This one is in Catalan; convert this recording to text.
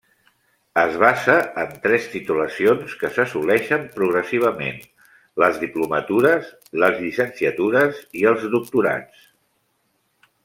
Es basa en tres titulacions que s’assoleixen progressivament: les diplomatures, les llicenciatures i els doctorats.